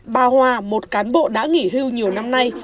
bà hòa một cán bộ đã nghỉ hưu nhiều năm nay